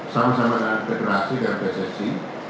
sama sama dengan federasi dan pssi